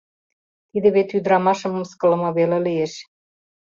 Тиде вет ӱдырамашым мыскылыме веле лиеш...